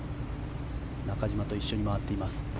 中島と一緒に回っています。